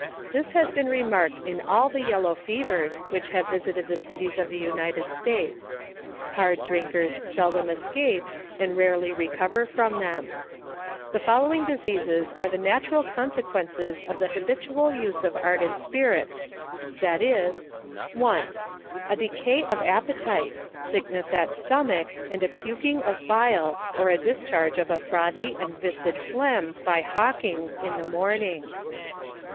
This has been remarked in all the yellow fevers which have visited the cities of the United States. Hard drink ers seldom escape, and rarely recover from them. The following diseases arc the usual consequences of the ha bitual use of ardent spirits, viz. 1. A decay of appetite, sickness at stomach, and a puk ing of bile or a discharge of a frothy and viscid phlegm by hawking, in the morning.